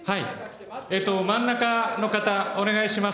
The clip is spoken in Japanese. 真ん中の方、お願いします。